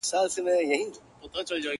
یوه ورځ ورسره کېږي حسابونه!